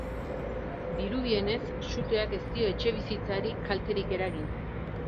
Dirudienez, suteak ez dio etxebizitzarik kalterik eragin.